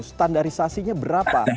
standarisasi nya berapa